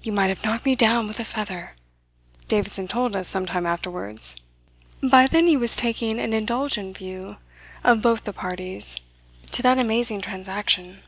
"You might have knocked me down with a feather," Davidson told us some time afterwards. By then he was taking an indulgent view of both the parties to that amazing transaction.